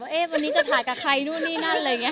เอ๊ะวันนี้จะถ่ายกับใครนู่นนี่นั่นอะไรอย่างนี้